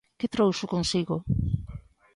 ¿Que trouxo consigo?